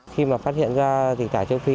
khi mà phát hiện ra dịch tả châu phi